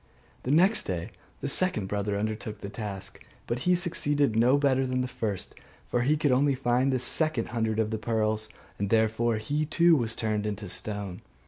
The next day the second brother undertook the task; but he succeeded no better than the first; for he could only find the second hundred of the pearls; and therefore he too was turned into stone.